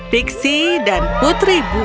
pixie dan putri bunga